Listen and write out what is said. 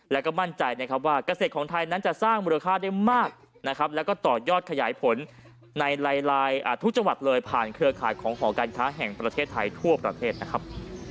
แล้วก็มั่นใจนะครับว่าเกษตรของไทยนั้นจะสร้างมูลค่าได้มากนะครับแล้วก็ต่อยอดขยายผลในทุกจังหวัดเลยผ่านเครือข่ายของหอการค้าแห่งประเทศไทยทั่วประเทศนะครับ